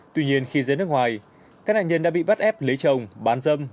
tuy nhiên khi ra nước ngoài các nạn nhân đã bị bắt ép lấy chồng bán dâm